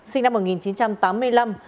sinh năm một nghìn chín trăm tám mươi năm